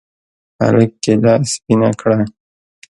هلك کېله سپينه کړه.